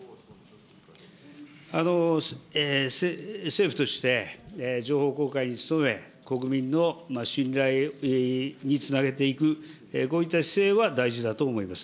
政府として、情報公開に努め、国民の信頼につなげていく、こういった姿勢は大事だと思います。